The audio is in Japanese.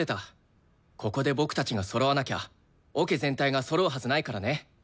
ここで僕たちがそろわなきゃオケ全体がそろうはずないからね。